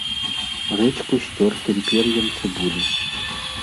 Рэдзьку з цёртым пер'ем цыбулі.